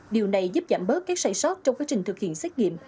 điều này giúp giảm bớt các sai sót trong quá trình thực hiện xét nghiệm